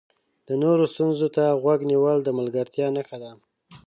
د نورو ستونزو ته غوږ نیول د ملګرتیا نښه ده.